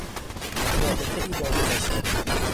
رابطهای با گذشته